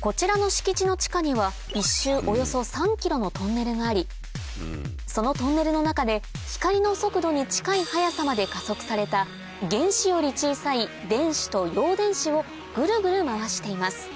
こちらの敷地の地下には１周およそ３ｋｍのトンネルがありそのトンネルの中で光の速度に近い速さまで加速された原子より小さい電子と陽電子をぐるぐる回しています